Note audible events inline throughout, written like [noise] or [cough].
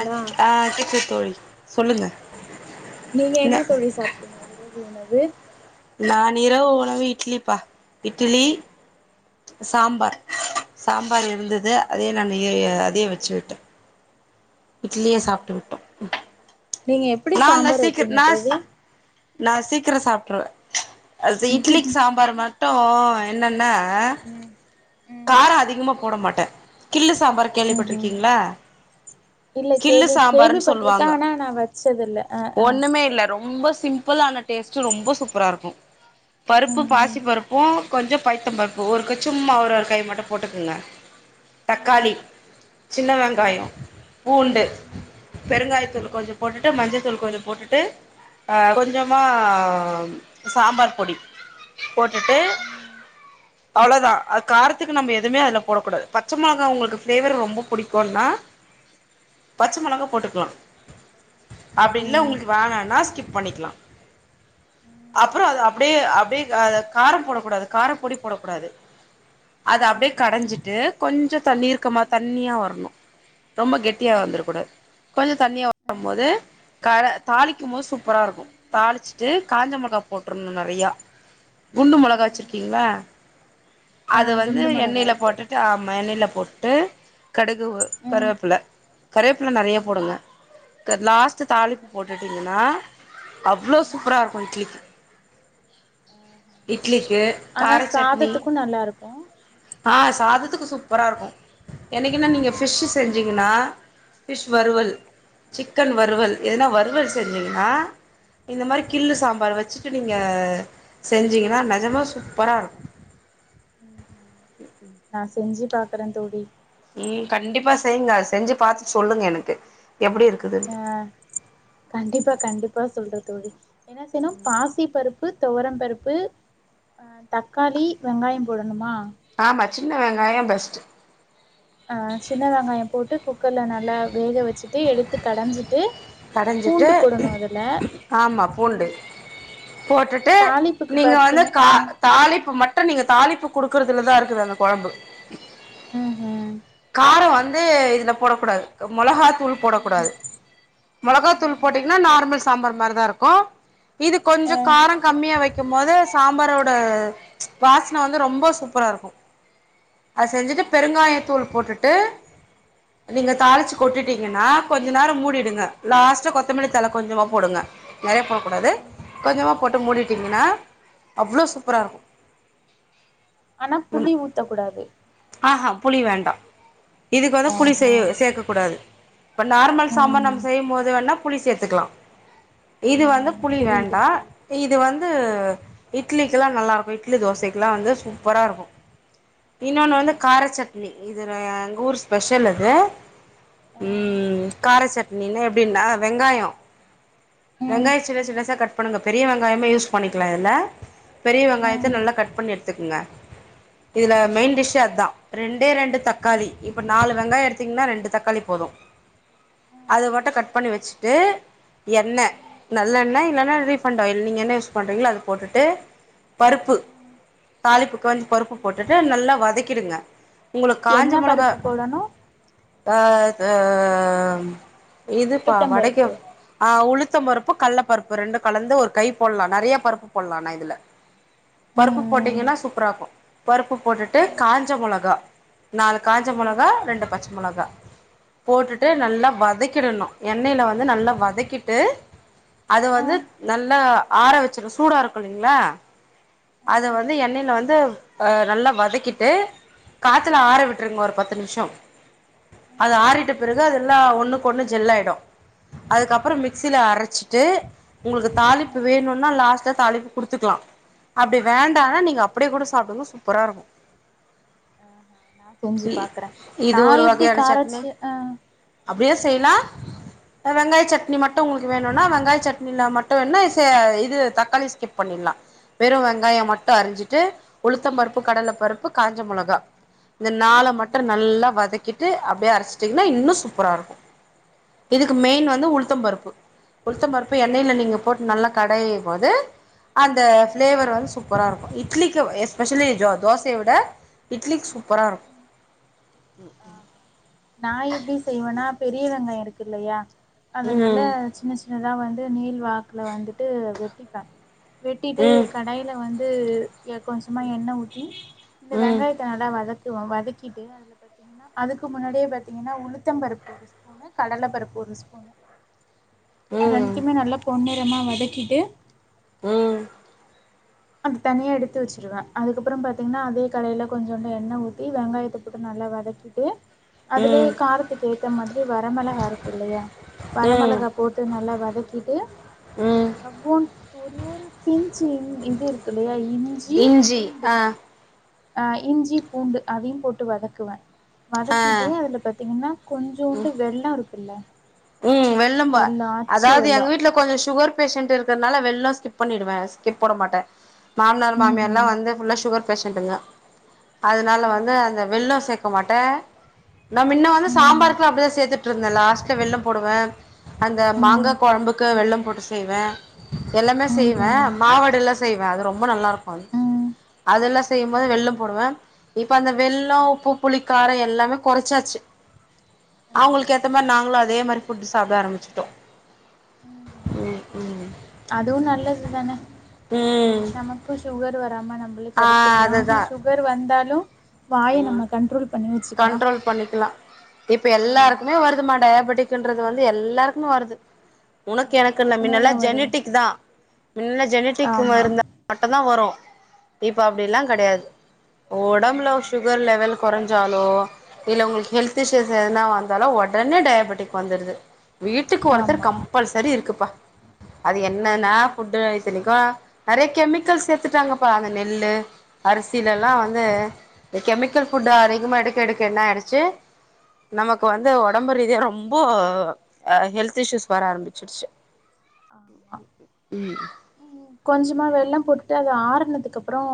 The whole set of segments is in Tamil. அ ஆ [unintelligible] தோழி சொல்லுங்க நீங்க ந என்ன தோழி சாப்ட்டிங்க இரவு உணவு நான் இரவு உணவு இட்லிப்பா இட்லி சாம்பார் சாம்பார் இருந்துது அதே நான் அதையே வச்சு விட்டே இட்லியே சாப்ட்டு விட்டோ நீங்க எப்பிடி நான்லா சாம்பார் சீக்கிர வெப்பிங்க நா தோழி நா சீக்கிர சாப்ட்டுருவ அ இட்லிக்கு சாம்பார் மா ட்டு என்னன்னா ம் ம் கார அதிகமா போட மாட்ட கிள்ளு சாம்பார் ம் கேள்விப்பட்ருக்கிங்ளா இல்ல கிள்ளு கேள்வி சாம்பாருன் கேள்விப்பட்டிருக்கே சொல்லுவாங்க ஆனா நா வச்சதில்ல ஆ ஆ ஒண்ணுமே இல்ல ரொம்ப சிம் ப்பிளான டேஸ்ட்டு ரொம்ப சூப்பரா இருக்கு பருப்பு ம் பாசி ம் பருப் பு கொஞ்ச பைத்தம் பருப்பு ஒரு க சும்மா ஒரு ஒரு கை மட்டு போட்டுக்குங்க தக்காளி சின்ன வெங்காய பூண்டு பெருங்காய தூள் கொஞ்ச போட்டுட்டு மஞ்சள்த்தூள் கொஞ்ச போட்டுட்டு அ கொஞ்சமா சாம்பார் பொடி போட்டுட் ம் அவ்ளோதா அ காரத்துக்கு நம்ம எதுமே அதுல போடக் கூடாது பச்ச மொளகா உங்களுக்கு ஃபிளேவர் ரொம்ப புடிக்குன்னா பச்ச மொளகா போட்டுக்லா அப்டி இல்ல ம் ஒங்களுக்கு வேணானா ஸ்கிப் பண்ணிக்லா அப்பற அது அப்டியே அப்டியே க கார போடக்கூடாது காரப் பொடி போடக் கூடாது அது அப்படியே கடைஞ்சிட்டு கொஞ்ச தண்ணீர்க்கமா தண்ணியா வரணு ரொம்ப கெட்டியா வந்துர கூடாது கொஞ்ச தண்ணியா வரம்போது க தாளிக்கும் போது சூப்பராருக்கு தாளிச்சுட்டு காஞ்ச மொளகா போட்ருணு நெறையா குண்டு மொளகா வெச்சிருக்கிங்ளா ஆ அது வந்து குண்டு மொளகா எண்ணெயில இருக்கு போட்டுட்டு ஆமா எண்ணெயில போட்டு கடுகு ஒ ம் கருவேப்பில கருவேப்பில நெறையா ம் போடுங்க லாஸ்ட் தாளிப்பு போட்டுட்டிங்கனா அவ்ளோ ம் சூப்பரா இருக்கு இட்லிக்கு ஆஹா இட்லிக்கு ஆனா கார சட்னி சாதத்துக்கு நல்லா இருக்கு ஆ சாதத்துக்கு சூப்பராருக்கு என்னக்கீனா நீங்க ஃபிஷ்ஷு செஞ்சிங்கனா ஃபிஷ் வறுவல் சிக்கன் வறுவல் எதுனா வறுவல் செஞ்சிங்னா இந்த மாரி கில்ன சாம்பார் வச்சுட்டு நீங்க செஞ்சிங்கனா நெஜமா சூப்பரா இருக்கு அ ம் நா செஞ்சு பாக்குறே தோழி ம் கண்டிப்பா செய்ங்க செஞ்சு பாத்துட்டு சொல்லுங்க எனக்கு எப்டி இருக் ஆ கண்டிப்பா கண்டிப்பா சொல்ற தோழி என்ன செய்ணு பாசி பருப்பு துவரொ பருப்பு ஆ தக்காளி வெங்காயொ போடணுமா ஆமா சின்ன வெங்காயொ பெஸ்ட் ஆ சின்ன வெங்காயொ போட்டு குக்கர்ல நல்லா வேக வெச்சு ட்டு எடுத்து கடாஞ்சிட்டு கடைஞ்சிட்டு பூண்டு போடணு அதுல ஆமா பூண்டு ம் அ போட்டுட்டு தாளிப்புக்கு நீங்க வந்து பாத்தீங்க கா அ தாளிப்பு மட்டு நீங்க தாளிப்பு குடுக்குறதுல தா இருக்குது அந்த கொழம்பு ம் ஹூம் காரொ வந்து இதுல போடக்கூடாது மொளகா தூள் ம் போடக்கூடாது மொளகா தூள் போட்டீங்னா நார்மல் சாம்பார் மாரி தா இருக்கு இது கொஞ்சொ ம் காரொ கம்மியா வைக்கும்போது சாம்பாரோட வாசன வந்து ரொம்ப சூப்பராருக்கு அது ஆ செஞ்சுட்டு ஆஹா பெருங்காயத்தூள் போட்டுட்டு [inaudible] நீங்க தாளிச்சு கொட்டிடீங்கனா கொஞ்சொ நேரொ மூடிடுங்க லாஸ்ட்ட கொத்தமல்லி தழ கொஞ்சமா போடுங்க நெறைய போக்கூடாது ம் கொஞ்சமா போட்டு மூடிட்டீங்கனா அவ்ளோ சூப்பரா இருக் ஆனா புளி ஊத்தக்கூடாது ஆஹா புளி வேண்டா இதுக்கு வந்து புளி சே ஆஹா சேக்க கூடாது இப்போ நார்மல் சாம்பார் ம் நம்ம செய்யுபோது வேணா புளி சேத்துக்லா இது வந்து ம் புளி புரியுது வேண்டா புரியுது இது வந்து ஆ இட்லிக்கிலா நல்லாருக்கு இட்லி தோசக்கெலா வந்து சூப்பராருக்கு இன்னொன்னு வந்து கார சட்னி இது எங்க ஊர் பெஷல் அது ம் சட்னில எப்டின்னா வெங்காயொ ம் ம் வெங்காயோ சின்ன சின்னசா கட் பண்ணுங்க பெரிய வெங்காயமே யூஸ் பண்ணிக்கலா இதுல பெரிய வெங்காயத்த ம் ம் நல்லா கட் பண்ணி எடுத்துக்கங்க இதுல மெயின் டிஷ் ச்சே அதா ரெண்டே ரெண்டு ம் தக்காளி ம் இப்ப நாலு வெங்காயோ எடுத்தீங்கன்னா ரெண்டு தக்காளி போது ம் அது மட்டு கட் பண்ணி வச்சுட்டு எண்ண நல்லண்ண இல்லனா ரீஃபண்ட் ஆயில் இல்ல நீங்க என்ன யூஸ் பண்றீங்களோ அத போட்டுட்டு பருப்பு ம் தாளிப்புக்கு வந்து பருப்பு போட்டுட்டு நல்லா வதக்கிடுங்க உங்களுக்கு காஞ்ச என்ன மொளகா பருப்பு போடணு ஆ அ இதுப்பா உளுத்தம் வடக்ய பருப்பு ஆ உளுத்த பருப்பு, கள்ள பருப்பு ரெண்டு கலந்து ஒரு கை போட்லா நன்றைய பருப்பு போடலா ஆணா இதுல பருப்பு ம் போட்டீங்கனா சூப்பராக்கோ பருப்பு போட்டுட்டு ம் காஞ்ச மொளகா நாலு காஞ்ச மொளகா ம் ரெண்டு பச்ச மொளகா போட்டுட்டு ம் நல்லா வதக்கிடணு எண்ணெயில வந்து நல்லா வதக்கிட்டு அது ஆ வந்து நல்ல ஆற வெச்சிடு சூடா இருக்கோ இல்லலைங்களா ம் அத ம் வந்து எண்ணெயில வந்து அ நல்லா வதக்கிட் ட்டு காத்துல ஆற ம் விட்டுருங்க ஒரு பத்து நிமிஷோ அது ம் ஆறிட்ட பிறகு அதெல்லா ஒன்னுக்கொன்னு ஜெல்லாயிடு அதுக்கப்பறோ ம் மிக்சில அரச்சிட்டு உங்களுக்கு தாளிப்பு ம் வேணுனா லாஸ்ட்ல தாளிப்பு குடுத்துக்கலா அப்டி வேண்டனா நீங்க அப்டியே கூட சாப்டுங்க சூப்பரா இருக்கு அ நா செஞ்சு இ பாக்குறே இது நா ஒரு எப்டி வகையான சட்னி காரச்சு ஆ ம் அப்டியே ம் செய்லா அ வெங்காய சட்னி மட்டு உங்களுக்கு வேணுனா வெங்காய சட்னில மட்டு என்ன செ இது தக்காளி ஸ்கிப் பண்ணிடலா வெறு வெங்காயோ மட்டு அறிஞ்சிட்டு உளுத்தம் பருப்பு, கடல பருப்பு, காஞ்ச மொளகா இந்த நால ம் மட்டு நல்லா வதக்கிட்டு அப்டியே அரைச்சுட்டீங்ன்னா இன்னு சூப்பராருக்கு இதுக்கு ம் மெயின்னு ம் வந்து உளுத்தம் பருப்பு உளுத்தம் பருப்ப எண்ணைல நீங்க போட்டு நல்லா கடையு போது அந்த ம் ஃப்ளேவர் வந்து சூப்பரா இருக்கு இட்லிக்கு எஸ்பெஷலி ஜோ தோசய விட இட்லிக்கு சூப்பரா இருகு நா எப்டி செய்வேன்னா பெரிய வெங்காயோ இருக்குல்லையா அத நல்ல ம் சின்ன சின் னதா வந்து நீல் வாக்குல வந்துட்டு வெட்டிப்பே வெட்டிட்டு ம் கடாய்ல வந்து து எ கொஞ்சமா எண்ண ஊத்தி இந்த ம் வெங்காயத்த நல்லா வதக்குவ வதக்கிட்டு அத ப பாத்தீங்கன்னா அதுக்கு முன்னாடியே பாத்திங்கன்னா உளுத்த பருப்பு, ஒரு ஸ்பூனு கடல பருப்பு ஒரு ஸ்பூனு ம் ரெண்டுத்துமே நல்லா பொன்னிறமா வதக்கிட்டு ம் அது தனியா எடுத்து வச்சுடுவே அதுக்கப்புறோ பாத்தீங்கன்னா அதே கடாயில கொஞ்சோண்டு எண்ண ஊத்தி வெங்காயத்த போட்டு நல்லா வதக்கி ட்டு அதுலயே ம் காரத்துக்கு ஏத்த மாதிரி வெரமெளகா இருக்குல்லையா ம் வெரமெளகா போட்டு நல்லா வதக்கிட்டு அ ம் ரொம்போவு [unintelligible] பிஞ்சு இஞ் இருக்குல்லையா இஞ் இஞ்சி ஆ அ இஞ்சி பூண்டு அதையும் போட்டு வதக்குவே வதக்கிட்டு ஆ அதுல பாத்தீங்ன்னா கொஞ்சோண்டு வெல்லோ இருக்குல்ல ம் வெல்லம்பா வெல்லம் ஆச்சி அதாவ்து எங்க வெல்லம் வீட்ல கொஞ்சோ சுகர் பேஷண்ட் இருக்கறனால வெல்லொ ஸ்கிப் பண்ணிடுவே ஸ்கிப் போட மாட்டே மாமனார் ம் மாமியார்ல்லா வந்து ஃபுல்லா சுகர் பேஷன்ட்டுங்க அதனால வந்து அந்த வெல்லோ சேக்க மாட்டே நா மின்ன வந்து சாம்பாருக்குலா அப்டிதா சேத்துட் ட்ருந்தே லாஸ்ட்ல வெல்லம் போடுவே அந்த மாங்கா கொழம்புக்கு வெல்லம் போட்டு செய்வே எல்லாமே செய்வே மாவடுல்லா செய்வே அது ரொம்ப நல்லா இருக்கு அ அதெல்லா செய்யுபோது வெல்லோ போடுவே இப்ப அந்த வெல்லோ உப்பு புளி காரோ எல்லாமே கொறச்சாச்சு அவங்களுக்கு ம் ஏத்த மாரி நாங்களு அதே மாரி ஃபுட் சாப்ட ஆரம்பிச்ட்டோ ம் ம் அதுவு நல்லது தானே ம் நமக்கும் சுகர் வராம நம்பளு ஆ தடுத்துக்கலா அனா அதுதா சுகர் வந்தாலு வாய ம் நம்ம கண்ட்ரோல் பண்ணி வச்சுக்கலா கண்ட்ரோல் பண்ணிக்கலா இப்ப ஆமா எல்லாருக்குமே வருதுமா டயாபெட்டிக் குன்றது வந்து எல்லாருக்கும வருது ஒனக்கு எனக்குன் இல்ல எல்லாருக்குமே தா மின்னல்லா வருது ஜெனிட்டிக் தா மின்ன ஜெனட்டிக்ல ஆமா இருந்தா மட்டுந்தா வரு இப்போ அப்டிலா ஆமா கெடயாது ஒடம்புல சு கர் லெவல் கொறஞ்சாலோ இல்ல உங்களுக் ஹெல்த் இஷ்யூஸ் எதுனா வந்தாலு ஒடனே டயாபெட்டிக் வந்துடுது வீட்டுக்கு ஒருத்தர் ஆமா கம்பல்சரி இருக்குப்பா அது என்னன்னா ஆமா ஃபுட்டு இத்தனைக்கு நெறய கெமிக்கல் சேத்துட்டாங்கப்பா அந்த நெல்லு அரிசிலல்லா வந்து இந்த கெமிக்கல் ஃபுட்டு் அதிகமா எடுக்க எடுக்க என்ன ஆடுச்சு நமக்கு வந்து ஒடம்பு ரீதிய ரொம்போ ஹெல்த் இஷயூஸ் வர ஆரம்பிச்சு ஷ்ஷூ ஆமா ம் கொஞ்சமா வெள்ளம் போட்டுட்டு அது ஆரனதுக்கப்பறம்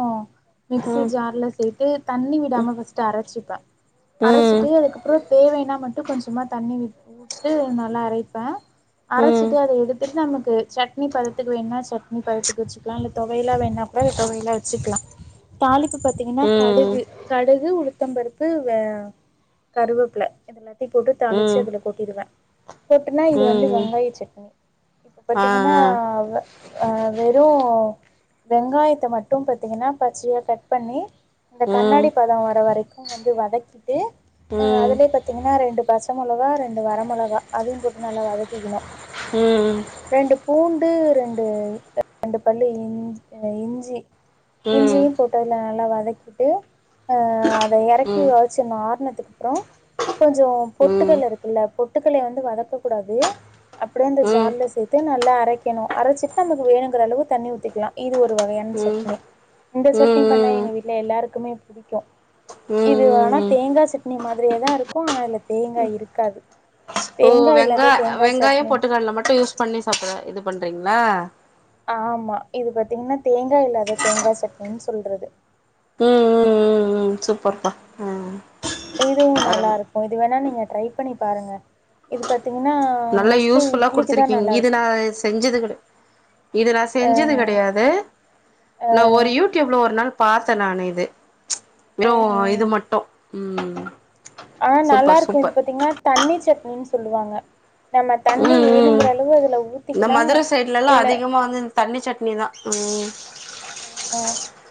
மிக்ஸி ம் ஜார்ல சேத் து தண்ணி விடாம ஃபஸ்ட் அரச்சிப்பே ம் அரச்சிட்டு அதுக்கப்பறம் தேவன்னா மட்டு கொஞ்சமா தண்ணி விட்டு து நல்லா அரப்பே ம் அரச்சிட்டு அத எடுத்துட்டு நமக்கு சட்னி பதத்துக்கு வேணா சட் நீ பதத்துக்கு வச்சுக்கலாம் இல்ல னி பதத்துக்கு வச்சுக்கலா இல்ல தொவையல்லா வேணா கூட இது தொவையல்லா வச்சுக்கலா தாளிப்பு பாத்தீங்கன்னா ம் கடுகு கடுகு உளுத்த பருப்பு வே கருவேப்பல இது எல்லாத்தயு போட்டு தாளிச்சு ம் அதுல போட்டுடுவே போட்டனா இது வந்து ம் வெங்காய சட்னி இப்ப ஆ பாத்தீங்கன்னா அ வெறு வெங்காயத்த மட்டும் பாத்தீங்கன்னா பச்சையா கட் பண்ணி இந்த ஆ ம் கண்ணாடி பத வர வரைக்கு வந்து வதக்கிட்டு அ ம் அதுல பாத் பாத்திங்கன்னா ரெண்டு பச்ச முளகா ரெண்டு வர முளகா அதயு போட்டு நல்லா வதக்கிக்கணு ம் ம் ரெண்டு பூண்டு ரெண்டு ரெண்டு பல் இஞ் இஞ்சி ம் ம் இஞ்சியு போட்டதுல நல்லா வதக்கிட்டு அ அத எறக்கி ம் ம் வச்சு ஆரணத்துக்கு அப்ரோ கொஞ்சொ பொட்டுகல இருக்குல்ல பொட்டுக்கல வந்து வதக்க கூடாது அப்டியே அந்த ஜார்ல சேத்து நல்லா அரைக்கணு அரச்சிட்டு நமக்கு வேணுங்கிற அளவு தண்ணி ஊத்திக்கலா இது ஒரு வகையான ம் சட்னி இந்த சட்னி பண்ணா ம் எங்க வீட்ல எல்லாருக்குமே புடிக்கு இது வேனா ம் ம் தேங்கா சட்னி மாரியேதா இருக்குஆனா இதுல தேங்கா இருக்காது ஓ தேங்காய் வெங்கா இல்லாத தேங்காய் வெங்காயம் சட்னி பொட்டுக்கடல மட்டு யூஸ் பண்ணி சாப்பிற இது பண்றீங்களா ஆமா இது பாத்தீங்கன்னா தேங்கா இல்லாத தேங்கா சட்டினின்னு சொல்றது ம் ம் ம் ம் சூப்பர் பா இதுவு நல்லா இருக்கு இது வேணா நீங்க ட்ரை பண்ணி பாருங்க இது பாத்தீங்கன்னா, நல்லா மோஸ்ட்லி யூஸ்புல்லா இட்லிக்கு தான் குடுத்துருக்கீங்க இது நல்லாருக்கும். நா செஞ்சது இது நா செஞ்சது கெடயாது ஆ எவ்ளோ ஒரு நாள் பாத்தே நானு இது வெறு ம்ஹ்ம். இது மட்டு ம் ஆ நல்லா சூப்பர் இருக்கு இது சூப்பர் பாத்தீங்கன்னா தண்ணி சட்னின்னு சொல்லுவாங்க நம்ம தண்ணி ம் ம் வேணுங்கிற அளவு அதுல இந்த ஊத்திக்கலா மதுர சைட்லல்லா இல்ல அதிகமா வந்து இந்த தண்ணி சட்னி தா ம் அ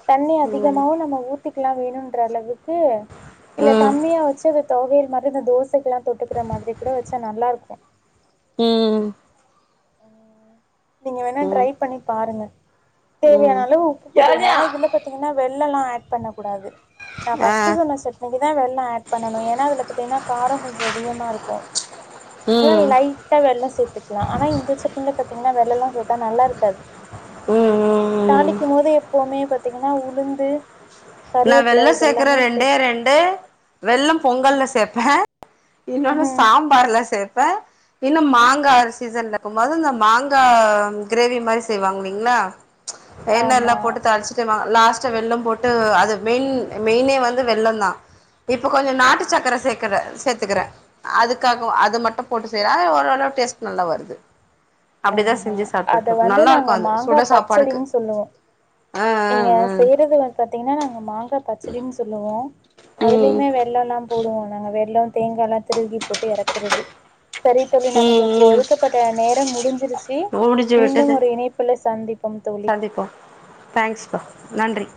தண்ணி ம் அதிகமாவு நம்ம ஊத்திக்கெல்லா வேணுன்ற அளவுக்கு ம் இல்ல ம் கம்மியா வச்சு அந்த தொவையில் மாரி இந்த தோசைக்கெலா தொட்டுக்குற மாரி கூட வச்சா நல்லா இருக்கு ம் நீங்க வேணா ட்ரை ம் பண்ணி பாருங்க ம் தேவையான அளவு உப்பு போட்டுக்கங்க யாரு இதுல பாத்தீங்கன்னா வெல்லல்லா ஆட் பண்ண கூடாது நான் ஃபஸ்ட் சொன்ன சட்னிக்கு தான் வெல்ல ஆட் பண்ணணு ஏன்னா அதுல பாத்தீங்கன்னா காரம் கொஞ்சம் அதிகமா இருக்கும் லை லைட்டா வெல்ல சேர்த்துக்கலா ஆனா இந்த சட்டினில பாத்தீங்கன்னா வெல்லம்ல்லா சேத்தா நல்லாருக்காது தாளிக்கும் போது எப்பவுமே பாத்தீங்கன்னா உளுந்து நான் கருவேப்பில வெல்ல சேக்குற இதெல்லாமே ரெண்டே சேக் ரெண்டு வெல்லம் பொங்கல்ல சேப்பே இன்னொன்னு ம் சாம்பார்ல சேப்பே இன்னொ மாங்கா சீசன்ல இருக்கம்போது இந்த மாங்கா கிரேவி மாரி செய்வாங்ளிங்களா ஆமா எண்ணெயெல்லா போட்டு தாளிச்சுட்டு மா லாஸ்ட்டா வெல்லம் போட்டு அ து மென் மெயினே வந்து வெல்லொந் தா இப்ப கொஞ்சொ நாட்டு ம் சக்கர சேக்குறே சேத்துக்குறே அதுக்காகவு அது ம் மட்டு போட்டு செய்யறா ஆ ஓரளவு டேஸ்ட் நல்லா வருது அப்டிதா ஆஹா செஞ்சு சாப்ட்டுட்டு அத இருக்கு வந்து நாங்க நல்லாருக்கு அது மாங்கா சுட சாப்பாடுக்கு பச்சடின்னு சொல்லுவோ ஆ ஆ இங்க ஆ செய்றது வந்து பாத்திங்கன்னா நாங்க மாங்கா பச்சடின்னு சொல்லுவோ ம் அதுலய்மே வெல்லொல்லா போடுவோ நாங்க வெல்லொ தேங்கால்லா திருகி போட்டு எறக்குறது செரி தோழி நமக்கு ம் ம் ஒதுக்கப்பட்ட நேரம் முடுஞ்சிருச்சி முடிஞ்சு மீண்டும் விட்டது ஒரு இணைப்புல சந்திப்போம் தோழி தேங்க்ஸ் பா நன்றி